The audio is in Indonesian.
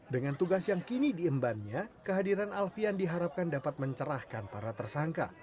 dengan tugas yang kini diembannya kehadiran alfian diharapkan dapat mencerahkan para tersangka